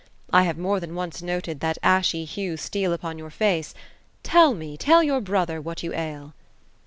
I have more than once noted that ashy hue steal upon your face. Tell me, tell your bro ther, what you ail."